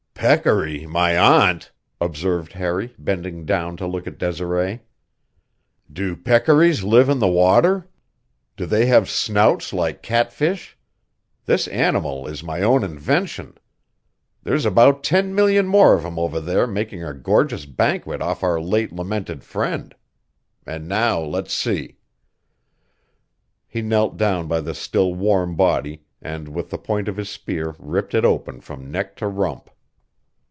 "Peccary my aunt!" observed Harry, bending down to look at Desiree. "Do peccaries live in the water? Do they have snouts like catfish? This animal is my own invention. There's about ten million more of 'em over there making a gorgeous banquet off our late lamented friend. And now, let's see." He knelt down by the still warm body and with the point of his spear ripped it open from neck to rump.